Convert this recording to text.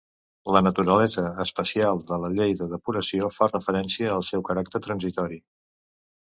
La naturalesa "especial" de la llei de depuració fa referència al seu caràcter transitori.